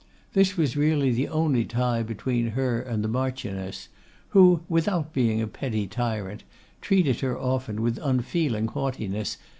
This was really the only tie between her and the Marchioness, who, without being a petty tyrant, treated her often with unfeeling haughtiness.